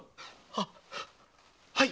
はっはい！